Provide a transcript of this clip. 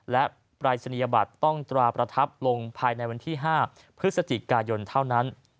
และปรายศนียบัตรต้องตราประทับลงภายในวันที่๕พฤศจิกายนเท่านั้น